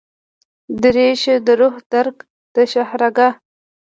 درېښو دروح درګه ، دشاهرګه